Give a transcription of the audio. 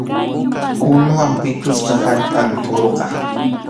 Unuwan pitusqa allpam tʼuruqa.